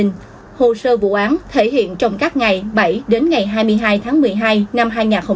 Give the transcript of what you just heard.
hồ sơ vụ án thể hiện trong các ngày bảy đến ngày hai mươi hai tháng một mươi hai năm hai nghìn hai mươi ba